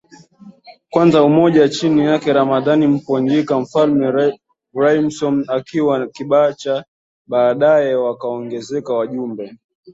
Kwanza umoja chini yake Ramadhan Mponjika mfalme Rhymson akiwa na Kibacha baadaye wakaongezeka wajumbe